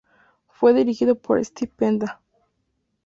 Fue dirigido por Stephen Penta.